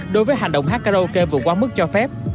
đối với hành động hát karaoke vừa qua mức cho phép